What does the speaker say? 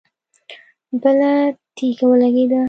بله تيږه ولګېده.